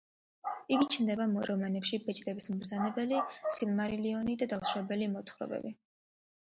იგი ჩნდება რომანებში „ბეჭდების მბრძანებელი“, „სილმარილიონი“ და „დაუსრულებელი მოთხრობები“.